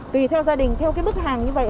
tùy theo gia đình theo bức hàng như vậy